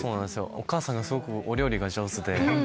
お母さんがすごくお料理が上手で。